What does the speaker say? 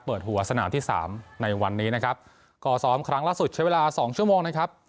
เปิดหัวสนามที่สามในวันนี้นะครับก็ซ้อมครั้งล่าสุดใช้เวลาสองชั่วโมงนะครับ